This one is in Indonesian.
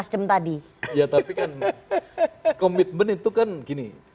tapi kan komitmen itu kan gini